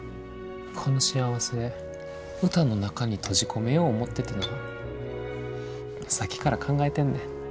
この幸せ歌の中に閉じ込めよう思っててなさっきから考えてんねん。